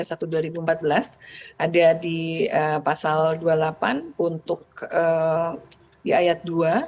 ada di pasal dua puluh delapan untuk di ayat dua